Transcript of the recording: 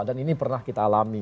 dan ini pernah kita alami